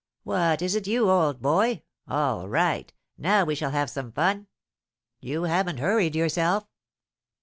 "What, is it you, old boy? All right! Now we shall have some fun." "You haven't hurried yourself."